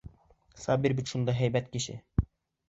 Сабир бит шундай һәйбәт кеше!